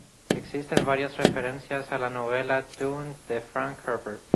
Existen varias referencias a la novela "Dune" de Frank Herbert.